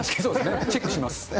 チェックします。